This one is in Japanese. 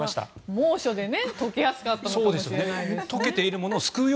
猛暑で溶けやすかったのかもしれないですね。